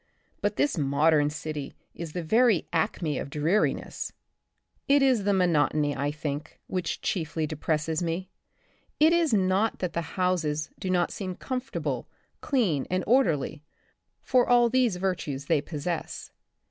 But this modern city is the very acme of dreariness. It is the monotony I think, which chiefly depresses me. It is not that the The Republic of the Future. 2 1 houses do not seem comfortable, clean and orderly, for all these virtues they possess.